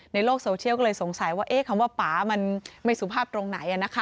ในโลกโซเชียลก็เลยสงสัยว่าคำว่าป่ามันไม่สุภาพตรงไหน